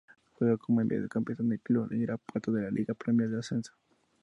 Juega como mediocampista en el Club Irapuato, de la Liga Premier de Ascenso.